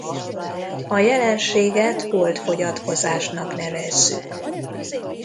A jelenséget holdfogyatkozásnak nevezzük.